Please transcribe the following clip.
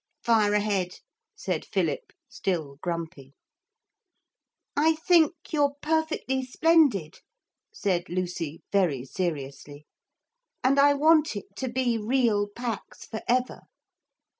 'Fire ahead,' said Philip, still grumpy. 'I think you're perfectly splendid,' said Lucy very seriously, 'and I want it to be real pax for ever.